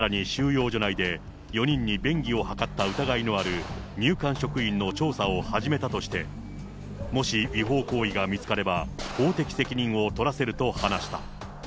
さらに収容所内で、４人に便宜を図った疑いのある入管職員の調査を始めたとして、もし違法行為が見つかれば、法的責任を取らせると話した。